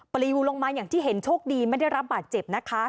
ปลิวลงมาอย่างที่เห็นโชคดีไม่ได้รับบาดเจ็บนะคะ